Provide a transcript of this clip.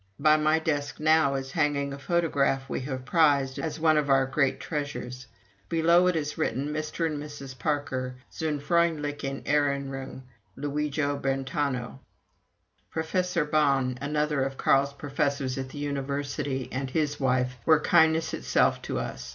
By my desk now is hanging a photograph we have prized as one of our great treasures. Below it is written: "Mrs. and Mr. Parker, zur freundlichen Erinnerrung Lujio Brentano." Professor Bonn, another of Carl's professors at the University, and his wife, were kindness itself to us.